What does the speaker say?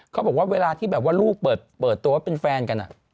เขาบอกว่าเวลาที่ลูกเปิดตัวเป็นแฟนกัน